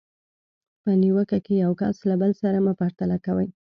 په نیوکه کې یو کس له بل سره مه پرتله کوئ.